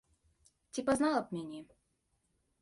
Ці пазнала б мяне?